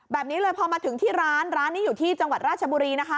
แบบนี้เลยพอมาถึงที่ร้านร้านนี้อยู่ที่จังหวัดราชบุรีนะคะ